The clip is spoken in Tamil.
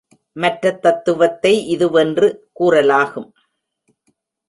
மற்றத் தத்துவத்தை இதுவென்று கூறலாகும்.